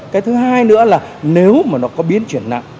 cái thứ hai nữa là nếu mà nó có biến chuyển nặng